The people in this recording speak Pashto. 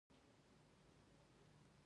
احمده! لاس راکړه چې لوېږم.